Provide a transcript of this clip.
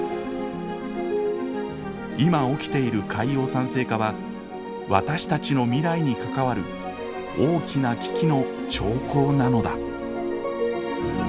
今起きている海洋酸性化は私たちの未来に関わる大きな危機の兆候なのだ。